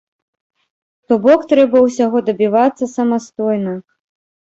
То бок трэба ўсяго дабівацца самастойна.